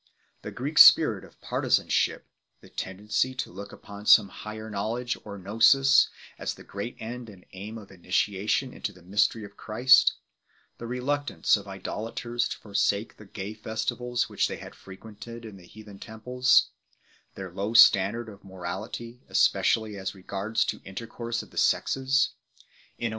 The Greek spirit of partizan ship f> , the tendency to look upon some higher knowledge ~ "gnosis" as the great end and aim of initiation into the or mystery of Christ 6 , the reluctance of idolaters to forsake the gay festivals which they had frequented in the heathen temples 7 , their low standard of morality, especially as re gards the intercourse of the sexes 8 ; in a word, the desire 1 See especially 1 Cor.